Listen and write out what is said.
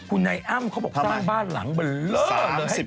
คุณไอ้อ้ามเขาบอกสร้างบ้านหลังเบลอเลย